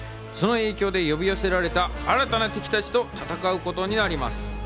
その影響で呼び寄せられた新たな敵たちと戦うことになります。